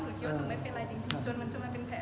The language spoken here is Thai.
คิดว่าหนูไม่เป็นไรจริงจนมันจะมาเป็นแผล